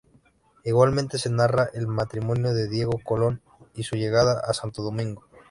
Igualmente se narra el matrimonio de Diego Colón y su llegada a Santo Domingo.